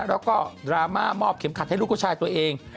แล้วก็ดราม่ามอบเข็มขัดให้ลูกผู้ชายตัวเอง